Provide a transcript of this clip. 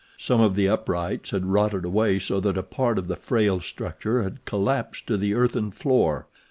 Some of the uprights had rotted away so that a part of the frail structure had collapsed to the earthen floor.